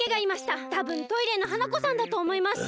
たぶんトイレの花子さんだとおもいます。